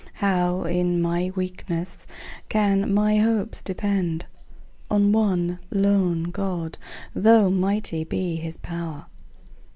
How in my weakness can my hopes depend On one lone God, though mighty be his pow'r?